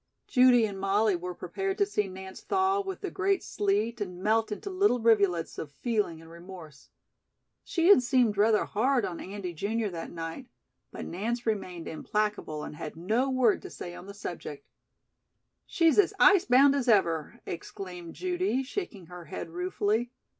Judy and Molly were prepared to see Nance thaw with the great sleet and melt into little rivulets of feeling and remorse. She had seemed rather hard on Andy, junior, that night; but Nance remained implacable and had no word to say on the subject. "She's as ice bound as ever," exclaimed Judy, shaking her head ruefully.